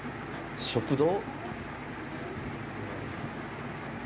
食堂？